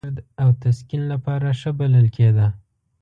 د درد او تسکین لپاره ښه بلل کېده.